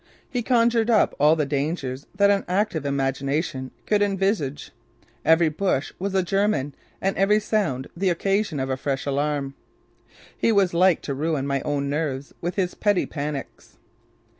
He conjured up all the dangers that an active imagination could envisage: Every bush was a German and every sound the occasion of a fresh alarm. He was like to ruin my own nerves with his petty panics.